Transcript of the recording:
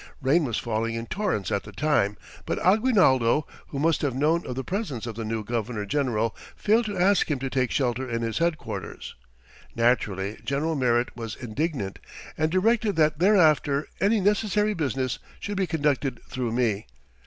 Rain was falling in torrents at the time, but Aguinaldo, who must have known of the presence of the new Governor General, failed to ask him to take shelter in his headquarters. Naturally General Merritt was indignant and directed that thereafter any necessary business should be conducted through me.